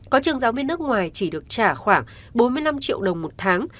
có trường giáo viên nước ngoài chỉ được trả khoảng bốn mươi năm triệu đồng một tháng